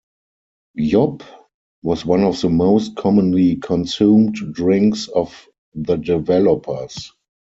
Yop was one of the most commonly consumed drinks of the developers.